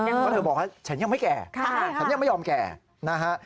เพราะเธอบอกว่าฉันยังไม่แก่ฉันยังไม่ยอมแก่นะฮะ